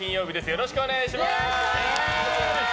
よろしくお願いします。